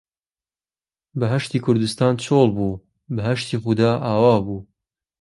بەهەشتی کوردستان چۆڵ بوو، بەهەشتی خودا ئاوا بوو